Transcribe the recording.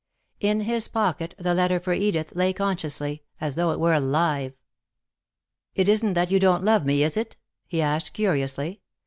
In his pocket the letter for Edith lay consciously, as though it were alive. "It isn't that you don't love me, is it?" he asked, curiously.